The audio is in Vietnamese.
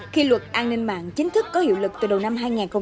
khi luật an ninh mạng chính thức có hiệu lực từ đầu năm hai nghìn một mươi chín